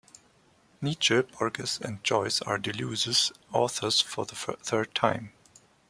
Nietzsche, Borges, and Joyce are Deleuze's authors for the third time.